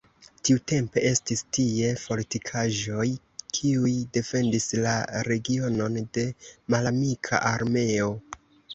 Tiutempe estis tie fortikaĵoj, kiuj defendis la regionon de malamika armeo.